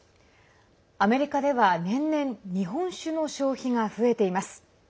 アメリカでは年々日本酒の消費が増えています。